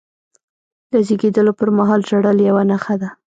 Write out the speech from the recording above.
د زیږېدلو پرمهال ژړل یوه نښه ده.